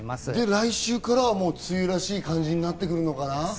来週からは梅雨らしい感じになるのかな？